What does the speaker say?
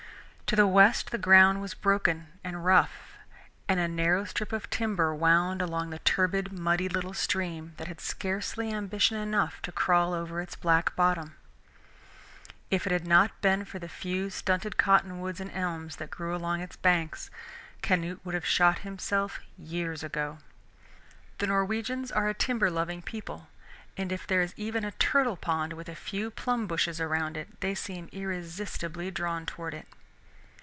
To the west the ground was broken and rough, and a narrow strip of timber wound along the turbid, muddy little stream that had scarcely ambition enough to crawl over its black bottom. If it had not been for the few stunted cottonwoods and elms that grew along its banks, Canute would have shot himself years ago. The Norwegians are a timber loving people, and if there is even a turtle pond with a few plum bushes around it they seem irresistibly drawn toward it.